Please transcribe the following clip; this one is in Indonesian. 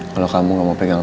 kalau kamu gak mau pegang